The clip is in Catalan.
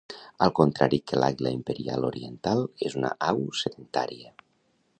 Al contrari que l'àguila imperial oriental és una au sedentària.